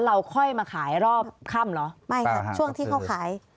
เราค่อยมาขายรอบค่ำเหรอไม่ครับช่วงที่เขาขาย